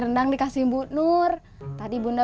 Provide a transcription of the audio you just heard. lu orang pantallastarstal kesini ya